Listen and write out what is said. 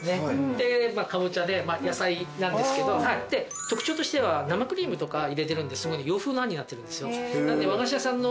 で南瓜で野菜なんですけど特徴としては生クリームとか入れてるんですごい洋風の餡になってるんですよ。